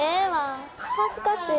恥ずかしいわ。